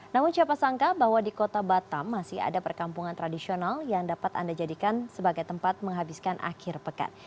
namun siapa sangka bahwa di kota batam masih ada perkampungan tradisional yang dapat anda jadikan sebagai tempat menghabiskan akhir pekan